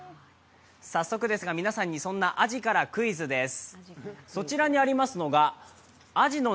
早速ですが、皆さんにそんなアジからクイズです。